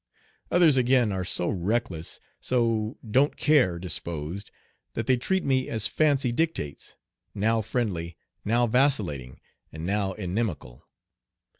Others again are so "reckless," so "don't care" disposed, that they treat me as fancy dictates, now friendly, now vacillating, and now inimical.